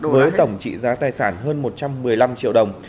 với tổng trị giá tài sản hơn một trăm một mươi năm triệu đồng